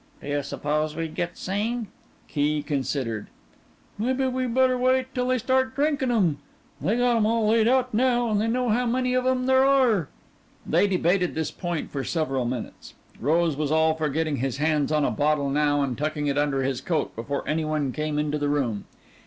"Do you suppose we'd get seen?" Key considered. "Maybe we better wait till they start drinkin' 'em. They got 'em all laid out now, and they know how many of them there are." They debated this point for several minutes. Rose was all for getting his hands on a bottle now and tucking it under his coat before anyone came into the room.